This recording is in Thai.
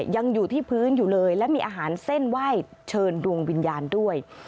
ยังอยู่ที่พื้นอยู่เลยและมีอาหารเส้นไหว้เชิญดวงวิญญาณด้วย